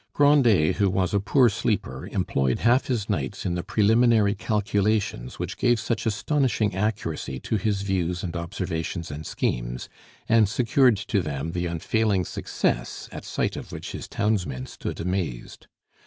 Grandet, who was a poor sleeper, employed half his nights in the preliminary calculations which gave such astonishing accuracy to his views and observations and schemes, and secured to them the unfailing success at sight of which his townsmen stood amazed.